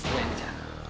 gue yang jaga